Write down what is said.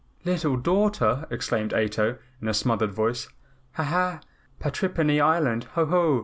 "Little daughter!" exclaimed Ato in a smothered voice. "Ha, ha! Patrippany Island. Ho, ho!